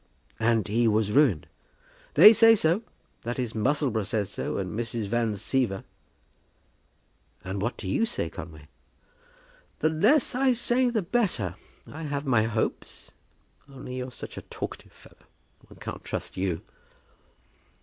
"And he was ruined?" "They say so. That is, Musselboro says so, and Mrs. Van Siever." "And what do you say, Conway?" "The less I say the better. I have my hopes, only you're such a talkative fellow, one can't trust you."